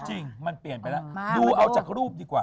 จริงมันเปลี่ยนไปแล้วดูเอาจากรูปดีกว่า